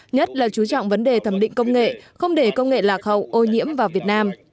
nhất là chú trọng vấn đề thẩm định công nghệ không để công nghệ lạc hậu ô nhiễm vào việt nam